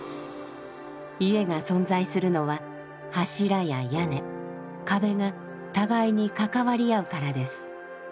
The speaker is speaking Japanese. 家が存在するのは柱や屋根壁が互いに関わり合うからです。